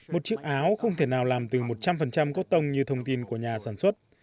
một chiếc áo không thể nào làm từ một trăm linh cốt tông như thông tin của nhà sản xuất